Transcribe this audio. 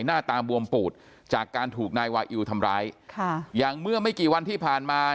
หน้าตาบวมปูดจากการถูกนายวาอิวทำร้ายค่ะอย่างเมื่อไม่กี่วันที่ผ่านมา